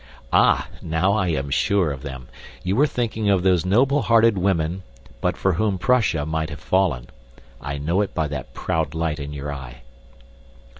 "Ah, now I am sure of them! You were thinking of those noblehearted women, but for whom Prussia might have fallen. I know it by that proud light in your eye."